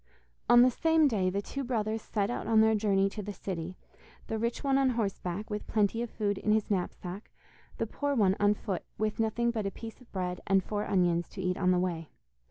On the same day the two brothers set out on their journey to the city, the rich one on horseback, with plenty of food in his knapsack, the poor one on foot with nothing but a piece of bread and four onions to eat on the way.